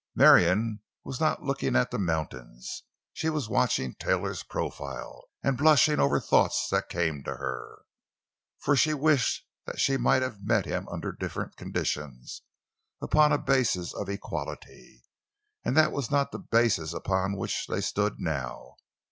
Marion was not looking at the mountains; she was watching Taylor's profile—and blushing over thoughts that came to her. For she wished that she might have met him under different conditions—upon a basis of equality. And that was not the basis upon which they stood now.